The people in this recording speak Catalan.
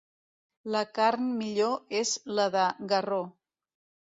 La carn millor és la de garró.